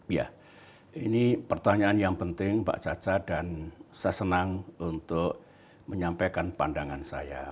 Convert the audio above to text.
ya ini pertanyaan yang penting mbak caca dan saya senang untuk menyampaikan pandangan saya